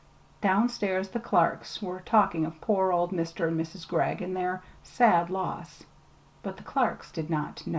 Downstairs the Clarks were talking of poor old Mr. and Mrs. Gregg and their "sad loss;" but the Clarks did not know.